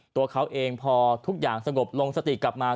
ตัวเขาเองพอทุกอย่างสงบลงสติกลับมา